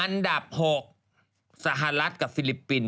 อันดับ๖สหรัฐกับฟิลิปปินส